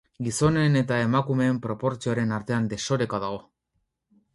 Gizonen eta emakumeen proportzioaren artean desoreka dago.